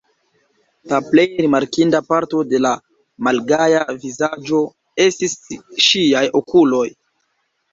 La plej rimarkinda parto de la malgaja vizaĝo estis ŝiaj okuloj.